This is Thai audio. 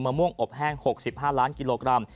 ม่วงอบแห้ง๖๕ล้านกิโลกรัม